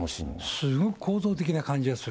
すごく構造的な感じがする。